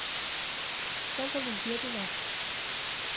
Santa Luzia do Norte